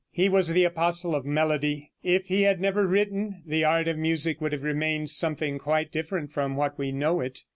He was the apostle of melody. If he had never written, the art of music would have remained something quite different from what we know it.